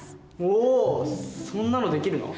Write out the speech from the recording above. おそんなのできるの？